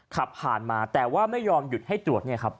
ขับผ่านมาแต่ว่าไม่ยอมหยุดให้ตรวจเนี่ยครับ